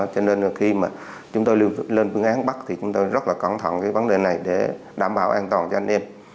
cho nên khi chúng tôi lên phương án bắt thì chúng tôi rất là cẩn thận với vấn đề này để đảm bảo an toàn cho anh em